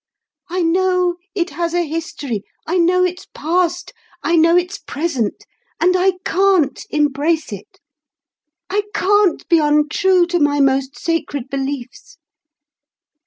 I know it has a history, I know its past, I know its present, and I can't embrace it; I can't be untrue to my most sacred beliefs.